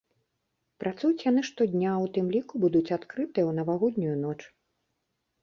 Працуюць яны штодня, у тым ліку будуць адкрытыя ў навагоднюю ноч.